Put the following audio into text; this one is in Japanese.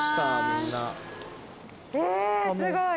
えすごい。